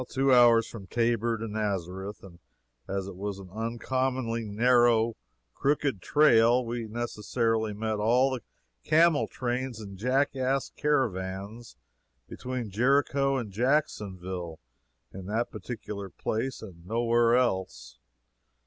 Two hours from Tabor to Nazareth and as it was an uncommonly narrow, crooked trail, we necessarily met all the camel trains and jackass caravans between Jericho and Jacksonville in that particular place and nowhere else.